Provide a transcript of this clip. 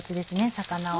魚を。